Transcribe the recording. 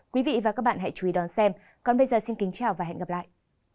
quý vị và các bạn hãy chú ý đón xem còn bây giờ xin kính chào và hẹn gặp lại